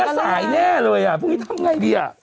แต่พรุ่งนี้สายแน่เลยพรุ่งนี้ทำอย่างไร